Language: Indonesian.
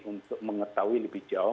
untuk mengetahui lebih jauh